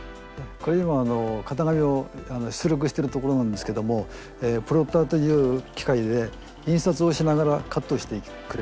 これ今型紙を出力してるところなんですけどもプロッターという機械で印刷をしながらカットしてくれます。